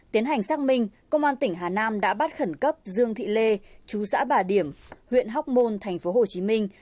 tiến hành xác minh công an tỉnh hà nam đã bắt khẩn cấp dương thị lê chú xã bà điểm huyện hóc môn thành phố hồ chí minh